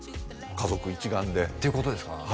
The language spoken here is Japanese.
家族一丸でっていうことですか？